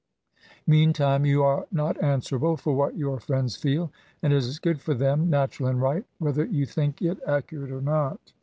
Meantime, you are not answerable for what yoip: friends feel; and it is good for them — ^natural and right — ^whether you think it accurate or not.''